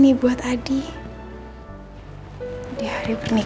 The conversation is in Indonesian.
jadi aku mau kasih ballpoint ini